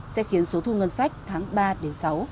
sẽ khiến số thu ngân sách tháng ba đến sáu